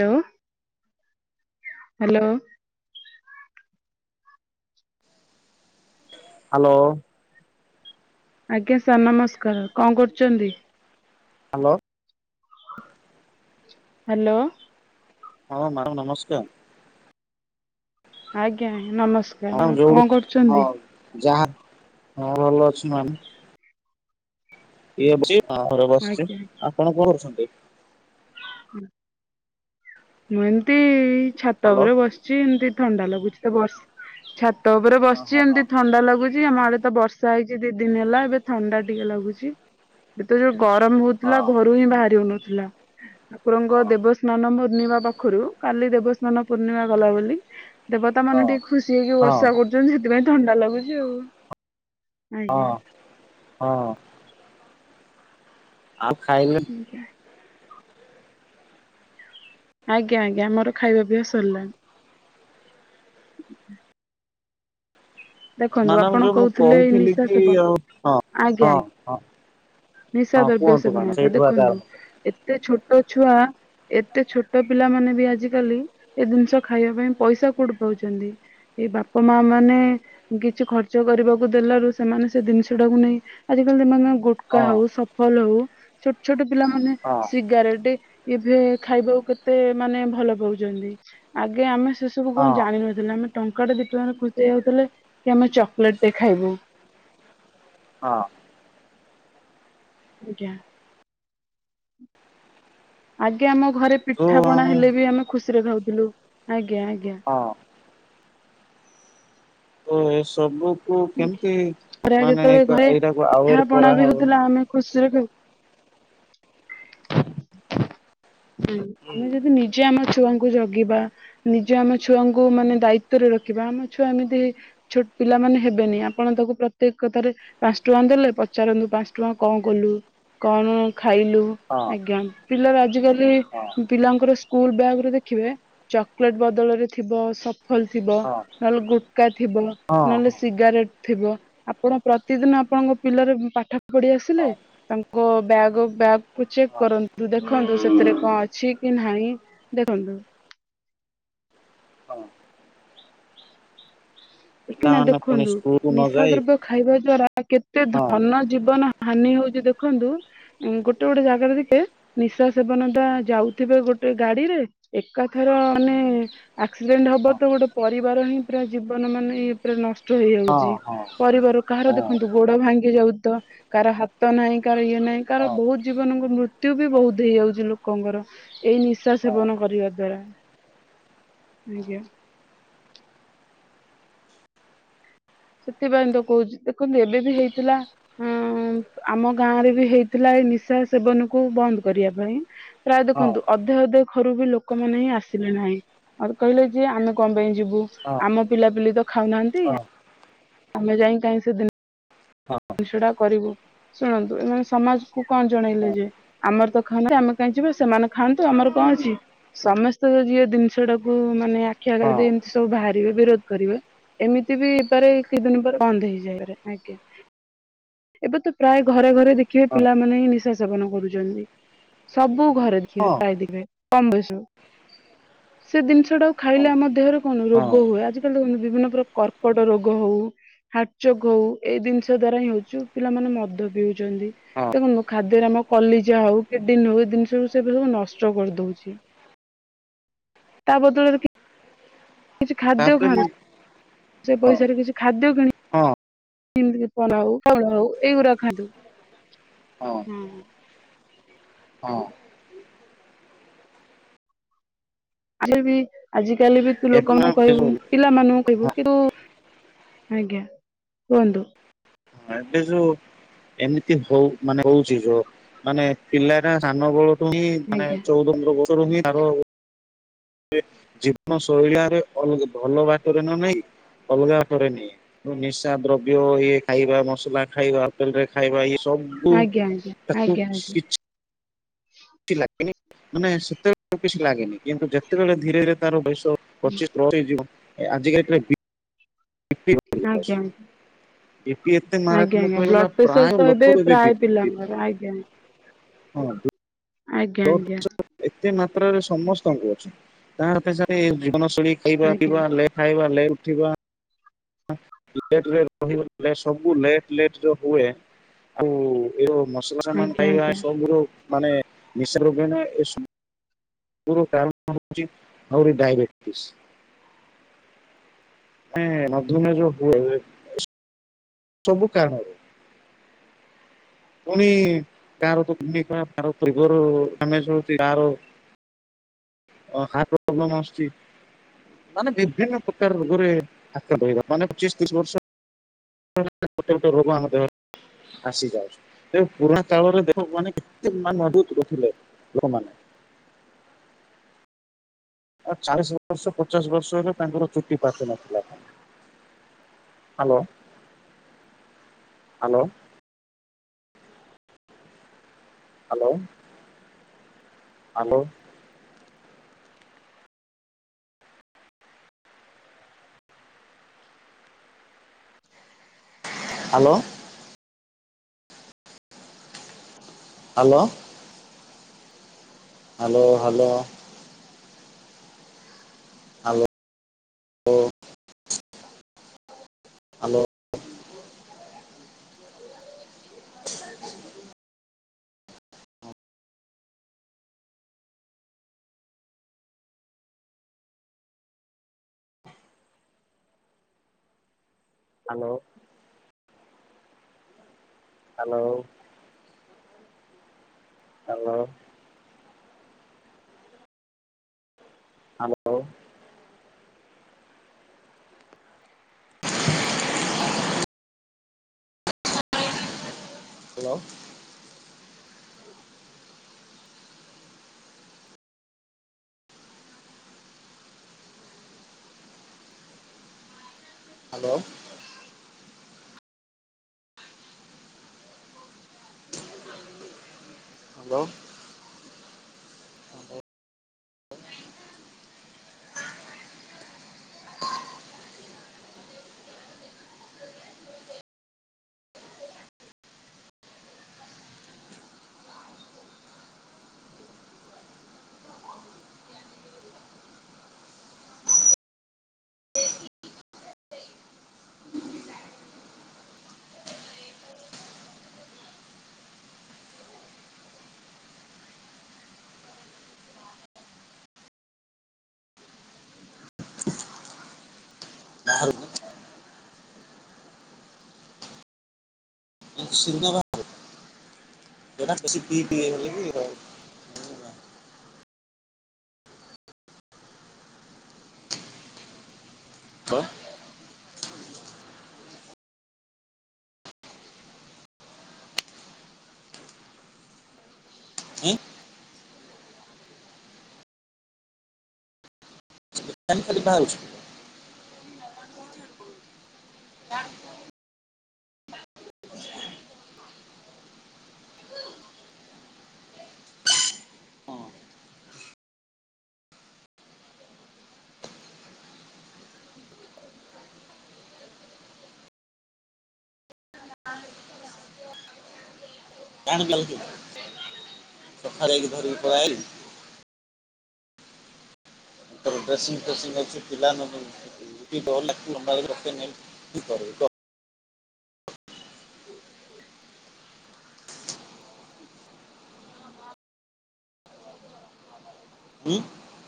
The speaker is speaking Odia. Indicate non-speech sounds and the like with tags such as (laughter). ହ୍ୟାଲୋ। ହ୍ୟାଲୋ। ହ୍ୟାଲୋ। ଆଜ୍ଞା ସାର୍ ନମସ୍କାର। କଣ କରୁଛନ୍ତି? ହ୍ୟାଲୋ। ହ୍ୟାଲୋ। ହଁ ମ୍ୟାଡ଼ାମ ନମସ୍କାର। ଆଜ୍ଞା, ଅଞ୍ଜ ନମସ୍କାର। ଆଉ କଣ ଯୋଉଠୁ ହଁ କରୁଛନ୍ତି? ଯାହା ହଁ ଭଲ ଅଛି ମାନେ ଇଏ (unintelligible) ସିଛି ଆପଣ ଆଜ୍ଞା କଣ କରୁଛନ୍ତି? ମୁଁ ଏମତି ଛାତ ହ୍ୟାଲୋ ଓପରେ ବସିଛି। ଏମିତି ଥଣ୍ଡା ଲାଗୁଛି। ତ ବ ଛାତ ଉପରେ ହଁ ବସିଛି ହଁ ହଁ ଏମିତି ଥଣ୍ଡା ଲାଗୁଛି। ହଉଚି। ଆମ ଆଡେ଼ ତ ବର୍ଷା ହେଇଛି ଦି ଦିନ ହେଲା ଏବେ ଥଣ୍ଡା ଟିକେ ଲାଗୁଛି। ଏ ତ ଯୋଉ ଗରମ ହଉ ଥିଲା ଘରୁ ହିଁ ବାହାରି ହଉନଥିଲା। ହଁ ଠାକୁରଙ୍କ ହଁ ଦେବସ୍ନାନ ପୂର୍ଣ୍ଣିମା ପାଖରୁ କାଲି ଦେବସ୍ନାନ ପୂର୍ଣ୍ଣିମା ଗଲା ବୋଲି ଦେବତା ମାନେ ହଁ ଟିକେ ଖୁସି ହେଇକି ବର୍ଷା ହଁ କରୁଛନ୍ତି, ସେଥିପାଇଁ ଥଣ୍ଡା ଲାଗୁଛି ଆଉ। ହଁ, ଆଜ୍ଞା। ହଁ। ଆଉ ଖାଇଲେଣି? ଆଜା। ଆଜ୍ଞା, ଆଜ୍ଞା। ମୋର ଖାଇବା ପିଇବା ସରିଲାଣି। ଦେଖନ୍ତୁ ମ୍ୟାଡ଼ାମ ଆପଣ ଯୋଉ ମୁଁ କହୁଥିଲେ କହୁଥିଲି ନିଶା କି ଆଉ ହଁ ସେବନ ହଁ ଆଜ୍ଞା, ହଁ ଆଜ୍ଞା ନିଶା ହଁ ଦ୍ରବ୍ୟ କୁହନ୍ତୁ ମ୍ୟାଡ଼ାମ ସେବନ। ତ ସେଇଠୁ ଆଗ ଦେଖନ୍ତୁ ଆରମ୍ଭ ଏତେ ଛୋଟ ଛୁଆ ଏତେ ଛୋଟ ପିଲାମାନେ ବି ଆଜିକାଲି ଏ ଜିନିଷ ଖାଇବା ପାଇଁ ପଇସା କୋଉଠି ପାଉଛନ୍ତି? ଏ ବାପ ମା ମାନେ କିଛି ଖର୍ଚ୍ଚ କରିବାକୁ ଦେଲାରୁ ସେମାନେ ସେ ଦିନିଷ ଟାକୁ ନେଇ ଆଜିକାଲି ମାନେ ଗୁଟକା ହଁ ହଉ, ସ ସଫଲ ହଉ, ଛୋଟ ଛୋଟ ପିଲାମାନେ ହଁ ସିଗାରେଟ ଏବେ ଖାଇବାକୁ କେତେ ମାନେ ଭଲ ପାଉଚନ୍ତି। ଆଗେ ଆମେ ସେ ସେସବୁ କଣ ହଁ ଜାଣିନଥିଲେ। ଆମେ ଟଙ୍କା ଟା ଦି ଟଙ୍କାରେ ଖୁସି ହେଈଯାଉଥିଲେ କି ଆମେ ଚକୋଲେଟ ଟେ ଖାଇବୁ। ହଁ। ଆଜ୍ଞା। ଆଜ୍ଞା ଆମ ଘରେ ତୁ ପିଠା ପଣା ହଁ ହେଲେ ବି ଆମେ ଖୁସିରେ ଖାଉଥିଲୁ। ଆଜ୍ଞା, ଆଜ୍ଞା। ହଁ। ତ ଏ ସବୁକୁୁ ଆଜ୍ଞା। କେମିତି ଖରା ମାନେ ଯେତେବେଳେ ଏଇଟାକୁ ଆଭଏଡ୍ କରାହେବ। ଖୁସିରେଖ (unintelligible) ହୁଁ ଆମେ ଯଦି ନିଜେ ଆମ ଛୁଆଙ୍କୁ ଜଗିବା ନିଏଜ ଆମ ଛୁଆଙ୍କୁ ମାନେ ଦାୟିତ୍ଵରେ ରଖିବା ବ ବଇଁଆମ ଛୁଆ ଏମିତି ବି ଛୋଟ ପିଲାମାନେ ହେବେନି ଆପଣ ତାକୁ ପ୍ରତ୍ୟେକ କଥାରେ, ପାଁସ୍ ଟଙ୍କା ଦେଲେ ପଚାରନ୍ତୁ, ପାଁସ୍ ଟଙ୍କା କଣ କଲୁ। କଣ ଖାଇଲୁ? ହଁ ଆଜ୍ଞା ପିଲାର ଆଜିକାଲି ହଁ ଏ ପିଲାଙ୍କର ସ୍କୁଲ ବ୍ୟାଗରେ ଦେଖିବେ, ଚକ୍ଲେଟ ବଦଳରେ ଥିବ ସଫଲ ଥିବ ହଁ ନହେଲେ ଗୁଟ୍କା ଥିବ। ହଁ ନହେଲେ ହଁ ସିଗାରେଟ ଥିବ ଆପଣ ପ୍ରତିଦିନ ଆପଣଙ୍କ ପିଲାର ପାଠ ଫେଢି଼ ଆସିଲେ। ତାଙ୍କ ବ୍ୟାଗ ବ୍ୟାଗକୁ ଚେକ୍ ହଁ କରନ୍ତୁ ଦେଖନ୍ତୁ। ସେଥିରେ କଣ ଅଛି କି ନାହିଁ ଦେଖନ୍ତୁ। ହଁ। ଉଠିନା ପିଲାମାନେ ପୁଣି ଦେଖନ୍ତୁ ସ୍କୁଲକୁ ନ ନିଶା ଯାଇ ଦ୍ରବ୍ୟ, ଖାଇବା ଦ୍ଵାରା କେତେ ହଁ ଧନ ଜୀବନ ହାନି ହଉଛି ଦେଖନ୍ତୁ। ଉଁ ଗୋଟେ ଗୋଟେ ଜାଗାରେ ଦେଖେ ନିଶା ସେବନ ଟା ଯାଉଥିବେ ଗୋଟେ ଗାଡି଼ରେ ଏକାଥର ମାନେ, ଆକ୍ସିଡେଣ୍ଟ ହବ ତ ଗୋଟେ ପରିବାର ହିଁ ପୁରା ଜୀବନ ମାନେ ପୁରା ନଷ୍ଟ ହଁ ହେଇଯାଉଛି। ହଁ ପରିବାର କାହାର ହଁ ଦେଖନ୍ତୁ ଗୋଡ଼ ଭାଙ୍ଗି ଯାଉଚି ତ! କାହାର ହାତ ନାହିଁ କାହାର ଇଏ ନାହିଁ କାହାର ହଁ ବହୁତ ଜୀବନଙ୍କ ମୃତ୍ୟୁ ବି ବହୁତ ହେଇଯାଉଛି। ଲୋକଙ୍କର, ଏଇ ନିଶା ହଁ ହଁ ହଁ ସେବନ କରିବା ଦ୍ଵାରା ଆଜ୍ଞା। ସେଥିପାଇଁ ତ କହୁଛି ଦେଖନ୍ତୁ ଏବେ ବି ହେଇଥିଲା। ହୁଁ ଆମ ଗାଁରେ ବି ହେଇଥିଲା ଏଇ ନିଶା ସେବନକୁ ବନ୍ଦ କରିବା ପାଇଁ। ପ୍ରାୟ ହଁ ହଁ ଦେଖନ୍ତୁ ଅଧେ ଅଧେ ଘରୁ ବି ଲୋକମାନେ ହିଁ ଆସିଲେ ନାହିଁ। ଅର କହିଲେ ଯେ ଆମେ କଣ ପାଇଁ ଯିବୁ ହଁ ହଁ ଆମ ପିଲାପିଲି ତ ଖାଉନାହାନ୍ତି। ହଁ ଆମେ ଯାଇ କାଇଁ ସେଦିନ! ଜିନିଷଟା କରିବୁ। ଶୁଣନ୍ତୁ ଏମାନେ ସମାଜ କୁ କଣ ଜଣେଇଲେ ଯେ ଆମର ତ ଖାଉନାହାନ୍ତି ଆମେ କାହିଁ ଯିବା। ସେମାନେ ଖାଆନ୍ତୁ ଆମର କଣ ଅଛି। ସମସ୍ତେ ଯିଏ ଜିନିଷ ଟାକୁ ମାନେ ଆଖି ଆଗାରରେ ହଁ ଦେଇ ଏମିତି ସବୁ ବାହାରି--' ବିରୋ ବିରୋଧ କରିବା। ଏମିତି ବି ହେଇପାରେ ଏ କିଛିଦିନି ପରେ ବନ୍ଦ ହେଇଯାଇପାରେ ଆଜ୍ଞା। ଏବେ ତ ପ୍ରାୟ ଘରେ ଘରେ ଦେଖିବେ ପିଲାମାନେ ହିଁ ନିଶା ସେବନ କରୁଛନ୍ତି। ସବୁ ଘରେଯେ। ଦେଖିବେ ହଁ ପ୍ରାୟ ଦେଖିବେ କମ ବୟସରୁ। ସେ ଜିନିଷ ଟାକୁ ଖାଇଲେ ଆମ ଦେହରେ କଣ ହଁ ରୋଗ ହୁଏ। ଆଜିକାଲି ଦେଖୁନ ବିଭିନ୍ନ ପ୍ରକ କର୍କଟ ରୋଗ ହଉ ହାଟଚୋକ ହଉ ଏଇ ଜିନିଷ ଦ୍ଵାରା ହିଁ ହଉଚୁ। ପିଲାମାନେ ମଦ ପିଉଛନ୍ତି। ହଁ ଦେଖନ୍ତୁ ଖାଦ୍ୟରେ ଆମ କଲିଜା ହଉ କିଡିନ ହଉ ଏ ଜିନିଷ କୁ ସେସବୁ ନଷ୍ଟ କରିଦଉଛି। ତା ବଦଳରେ କି କିଛି ଖାଦ୍ୟ ତାପରେ ମୁଁ ଖାଆନ୍ତୁ। ସେ ପଇସାରେ କିଛି ଖାଦ୍ୟ କିଣି ହଁ (inaudible) ଏଇ ଗୁରା ଖାତୁ ହଁ (inaudible) ହୁଁ ହୁଁ, ହଁ ଆଜିବି ଆଜି କାଲି ବି ତୁ ଏବେ ମା ଲୋକଙ୍କୁ ହଁ କହିବୁ। ପିଲାମାନଙ୍କୁ କହିବୁ। ହଁ କିନ୍ତୁ ଆଜ୍ଞା କୁହନ୍ତୁ? ଏବେ ଯୋଉ ଏମିତି ହଉ ମାନେ ହଉଛି ଯୋଉ ମାନେ ପିଲାଟା ସାନ ବେଳୁ ମି ମାନେ ଆଜ୍ଞା (inaudible) ଏ ଜୀବନ ଶୈଳାରେ ଅଲ ଭଲ ବାଟରେ ନ ନେଇ ଅଲଗା ବାଟରେ ନିଏ। ନିଶା ଦ୍ରବ୍ୟ ଇଏ ଖାଇବା। ମସଲା ଖାଇବା, ହୋଟେଲ ରେ ଖାଇବା, ଇଏ ସବୁ ଓ ଆଜ୍ଞା ଆଜ୍ଞା ପ୍ର ଆଜ୍ଞା ଆଜ୍ଞା ଆଜ୍ଞା (inaudible) ସେମିତି ଲାଗେନି। ମାନେ ସେତେବେ କିଛି ଲାଗେନି। କିନ୍ତୁ ଯେତେବେଳେ ଧୀରେ ଧୀରେ ତାର ବୟସ ପଚିଶ ପିିବ ଆଜିିକାଲି (inaudible) ଆଜ୍ଞା ବିପି ଏତେ ଆଜ୍ଞା ମାରାତ୍ମକ ଆଜ୍ଞା ହେଇଗଲା। ବ୍ଲଡ ପ୍ରେସର ପ୍ରାୟ ତ ଲୋକ ଏବେ ପ୍ରାୟ ବିପି ବିପି। ପିଲାଙ୍କର ଆଜ୍ଞା ହଁ ନ୍ତୁ ଆଜ୍ଞା ଆଜ୍ଞା (inaudible) ଏତେ ମାତ୍ରାରେ ସମସ୍ତଙ୍କୁ ଅଛି ତାତେଶାଳୀ ଜୀବନଶୈଳୀ ଖାଇବା ଆଜ୍ଞା ପିଇବା ଲେ ଖାଇବା ଲେ ଉଠିବା। (inaudible) ସବୁ ଲେଟ-ଲେଟ ଯୋଉଁ ହୁଏ। ଆଉ ଏ ମସଲା ସାମାନ ଆଜ୍ଞା ଖାଇବା ଆଜ୍ଞା ଏସବୁରୁ ମାନେ (inaudible) (inaudible) ଡାବେଟିସ୍। ହେ, ହେ ମଧୁମେୟ ଯୋଉ ହୁଏ। ସବୁ କାଣରେ। ପୁଣି କାହାର (inaudible) (inaudible) ପ୍ରୋବ୍ଲେମ୍ ଆସୁଛି। ମାନେ ବିଭିନ୍ନ ପ୍ରକାର ରୋଗରେ ଆକ୍ରାନ୍ତ ରହିବା ମାନେ ପଚିଶ ତିରିଶି ବର୍ଷ (unintelligible) ଗୋଟେ-ଗୋଟେ ରୋଗ ଆମ ଦେହରେ ଆସି ଯାଏ। ପୁରୁଣା କାଳରେ ଦେଖ ମାନେ କେତେ ମାନେ ମଜବୁତ ଲୋକଥିଲେ, ଲୋକମାନେ। ଆ ଚାଳିଶ ବର୍ଷ ପଚାଶ ବର୍ଷ ହେଲେ ତାଙ୍କର ଚୁଟି ପାଚୁ ନଥିଲା। Hello hello. Hello. Hello. Hello. Hello. Hello hello. Hello (inaudible) hello. Hello. Hello. Hello. Hello. Hello. Hello. Hello. (unintelligible) (inaudible) (inaudible) ଖାଲି (unintelligible) ଖାଲି ପାରୁଚି। ହ (unintelligible) କାମ୍ (unintelligible) ସଖ ହେକି ଧରିବି କ ଆଇଲି। ତାର ଡ୍ରେସିଂ ଫେସିଂ ଅଛି ପିଲା ନ (inaudible) ହୁଁ।